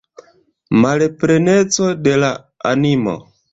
Malpleneco de la animo.